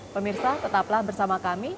pemirsa tetaplah bersama kami